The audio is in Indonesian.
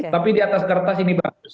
tapi di atas kertas ini bagus